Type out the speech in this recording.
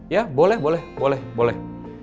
ya boleh boleh boleh